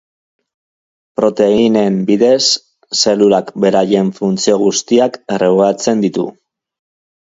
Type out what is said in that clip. Proteinen bidez, zelulak beraien funtzio guztiak erregulatzen ditu.